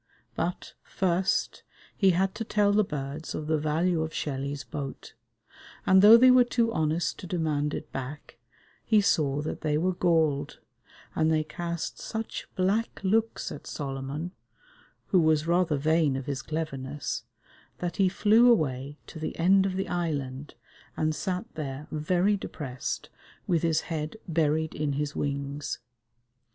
But, first, he had to tell the birds of the value of Shelley's boat; and though they were too honest to demand it back, he saw that they were galled, and they cast such black looks at Solomon, who was rather vain of his cleverness, that he flew away to the end of the island, and sat there very depressed with his head buried in his wings.